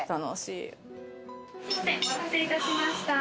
お待たせいたしました。